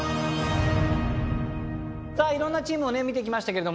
いろんなチームをね見てきましたけれど前園さん。